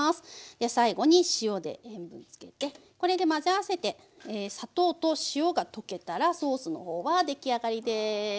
では最後に塩で塩分つけてこれで混ぜ合わせて砂糖と塩が溶けたらソースの方は出来上がりです。